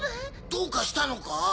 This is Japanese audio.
どうかしたのか？